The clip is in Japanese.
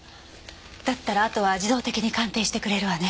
だったらあとは自動的に鑑定してくれるわね。